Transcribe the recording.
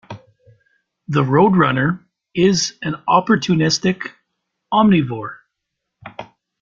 The roadrunner is an opportunistic omnivore.